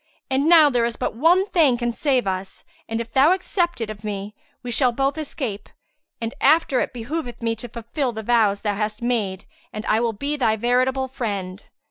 And now there is but one thing can save us and, if thou accept it of me, we shall both escape; and after it behoveth thee to fulfil the vows thou hast made and I will be thy veritable friend."